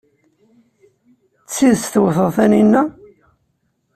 D tidet tewteḍ Taninna?